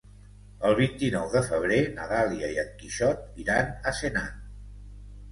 El vint-i-nou de febrer na Dàlia i en Quixot iran a Senan.